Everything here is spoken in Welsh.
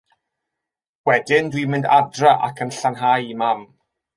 Wedyn dw i'n mynd adra ac yn 'llnau i mam.